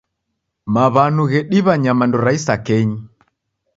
Maw'anu ghediw'a nyamandu ra isakenyi.